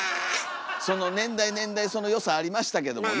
その年代年代その良さありましたけどもね。